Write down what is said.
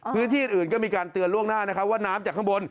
พื้นที่อื่นก็มีการเตือนล่วงหน้านะครับว่าน้ำจากข้างบน